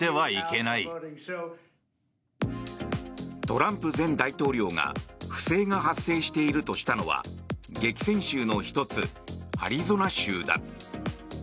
トランプ前大統領が不正が発生しているとしたのは激戦州の１つアリゾナ州だ。